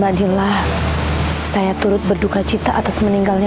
badillah saya turut berduka cita atas menikmati